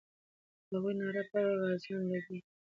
د هغې ناره پر غازیانو لګي.